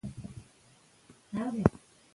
تاديبي وهل د اصلاح دریم ګام دی.